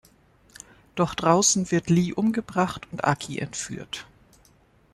Doch draußen wird Li umgebracht und Aki entführt.